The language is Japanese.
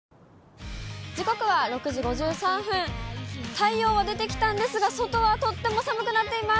太陽は出てきたんですが、外はとっても寒くなっています。